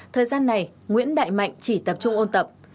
thời gian này nguyễn đại mạnh chỉ tập trung ôn tập